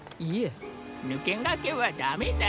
ぬけがけはダメだよ。